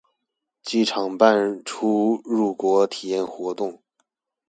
機場辦出入國體驗活動